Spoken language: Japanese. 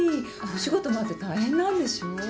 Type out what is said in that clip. お仕事もあって大変なんでしょう？